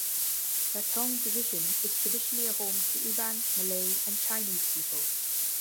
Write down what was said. Betong division is traditionally a home to Iban, Malay and Chinese people.